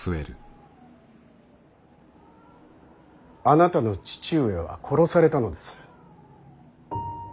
あなたの父上は殺されたのです。